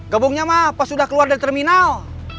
gabungnya mah pas sudah keluar dari terminal